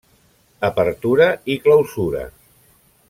Apertura i Clausura.